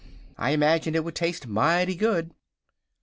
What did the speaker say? I imagine it would taste mighty good."